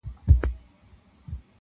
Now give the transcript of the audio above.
څوک له لویه سره ټیټ وي زېږېدلي -